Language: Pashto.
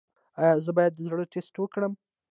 ایا زه باید د زړه ټسټ وکړم؟